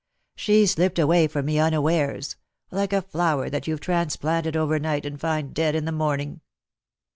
She slipped away from me unawares — like a flower that you've transplanted overnight and find dead in the morning."